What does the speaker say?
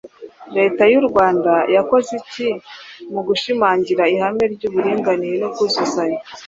Leta y’u Rwanda yakoze iki mu gushimangira ihame ry’uburinganire n’ubwuzuzanye